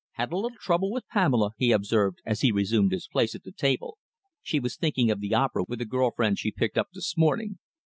"Had a little trouble with Pamela," he observed, as he resumed his place at the table. "She was thinking of the opera with a girl friend she picked up this morning.